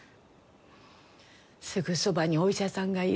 すぐそばにお医者さんがいる。